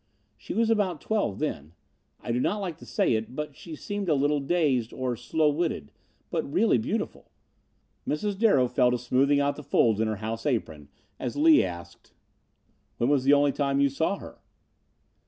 She was about twelve then. I do not like to say it, but she seemed a little dazed or slow witted, but really beautiful." Mrs. Darrow fell to smoothing out the folds in her house apron as Lees asked: "When was the only time you saw her?"